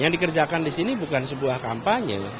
yang dikerjakan di sini bukan sebuah kampanye